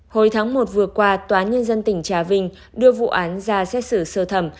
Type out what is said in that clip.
hồi tháng một vừa qua tòa nhân dân tỉnh trà vinh đưa vụ án ra xét xử sơ thẩm